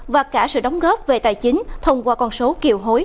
và cả sự đóng góp về tài chính thông qua con số kiều hối